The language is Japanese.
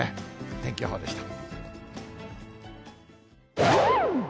天気予報でした。